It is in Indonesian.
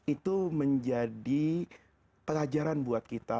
itu menjadi pelajaran buat kita